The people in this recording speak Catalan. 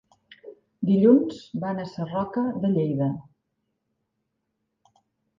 Dilluns van a Sarroca de Lleida.